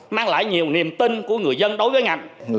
mang lại nhiều niềm tin của người dân đối với ngành